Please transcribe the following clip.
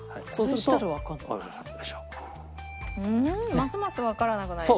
ますますわからなくなりそう。